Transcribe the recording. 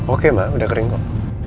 oke mbak udah kering kok